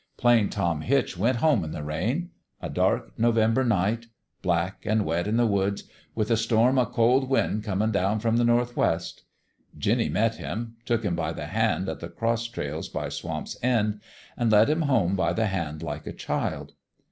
Plain Tom Hitch went home in the rain. A dark November night black an' wet in the woods with a storm o' cold wind comin' down from the nor'west. Jinny met him took him by the hand at the cross trails by Swamp's End an' led him home by the hand like a child.